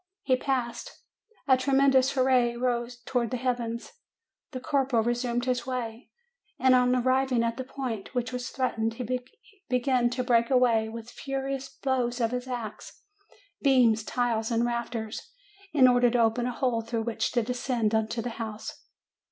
He passed. A tremendous hurrah rose to wards heaven. The corporal resumed his way, and on arriving at the point which was threatened, be began to break away, with furious blows of his axe, beams, tiles, and rafters, in order to open a hole through which to descend into the house.